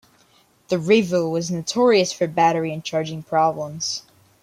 The Revo was notorious for battery and charging problems.